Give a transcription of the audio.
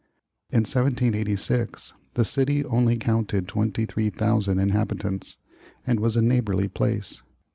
In 1786 the city only counted twenty three thousand inhabitants and was a neighborly place.